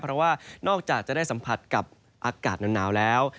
เพราะว่านอกจากจะได้สัมผัสกับอากาศหนาวแล้ว